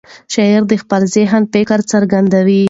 شاعر د خپل ذهن فکر څرګندوي.